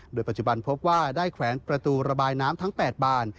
โดยปัจจุบันพบว่าได้แขวนประตูระบายน้ำทั้ง๘บาน